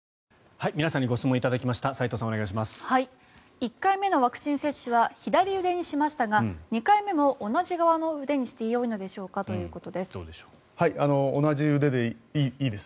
１回目のワクチン接種は左腕にしましたが２回目も同じ側の腕にしてよいのでしょうか？ということです。